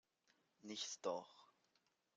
Nicht doch!